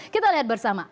kita lihat bersama